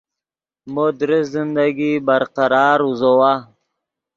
مو درست زندگی برقرار اوزوّا